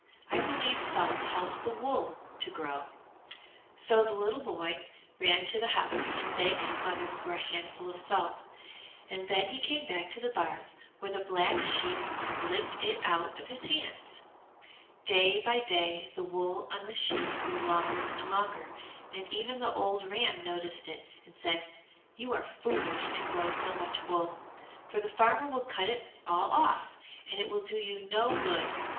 I believe salt helps the wool to grow." So the boy ran to the house and begged his mother for a handful of salt, and then he came back to the bars, where the Black Sheep licked it out of his hand. Day by day the wool on the sheep grew longer and longer, and even the old ram noticed it and said, "You are foolish to grow so much wool, for the farmer will cut it all off, and it will do you no good.